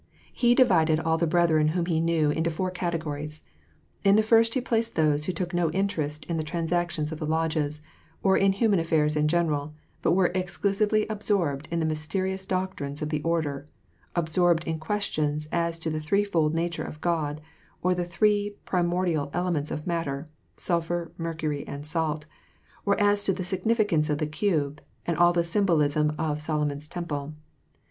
He divided all the brethren whom he knew into four cate gories. In the first, he placed those who took no interest in the transactions of the Lodges, or in human affairs in general, bat were exclusively absorbed in the mysterious doctrines of the order, absorbed in questions as to the threefold nature of God, or the three primordial elements of matter, — sulphur, mercury, ajid salt, — or as to the significance of the Cube, and all the symbolism of Solomon's Temple.